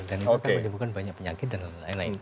dan itu akan menyebabkan banyak penyakit dan lain lain